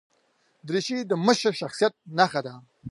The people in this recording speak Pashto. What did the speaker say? دریشي د مشر شخصیت نښه ده.